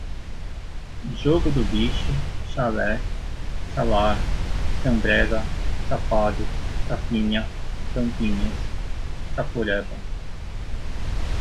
jogo do bicho, chalé, chalar, chambrega, chapado, chapinha, tampinhas, chaporeba